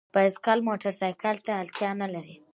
بایسکل موټرسایکل ته اړتیا نه لري.